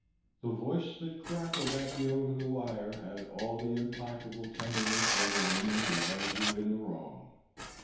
The voice that crackled at me over the wire had all the implacable tenderness of a woman who has you in the wrong.